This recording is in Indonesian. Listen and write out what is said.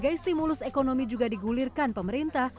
sebagai stimulus ekonomi juga digulirkan pemerintah